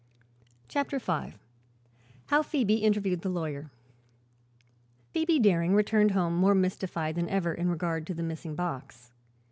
CHAPTER V HOW PHOEBE INTERVIEWED THE LAWYER Phoebe Daring returned home more mystified than ever in regard to the missing box.